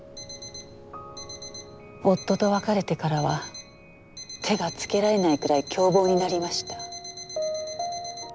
夫と別れてからは手がつけられないくらい凶暴になりました。